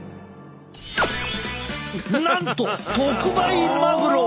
なんと特売マグロ！